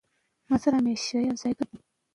موږ د خپلو مشرانو فکري میراث په ویاړ یادوو.